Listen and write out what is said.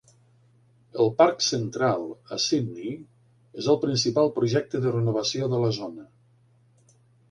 El Parc Central, a Sydney, és el principal projecte de renovació de la zona.